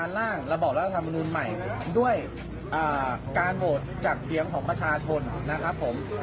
ร่างระบอบรัฐธรรมนุนใหม่ด้วยการโหวตจากเสียงของประชาชนนะครับผม